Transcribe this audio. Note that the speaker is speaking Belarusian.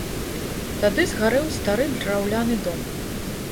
Тады згарэў стары драўляны дом.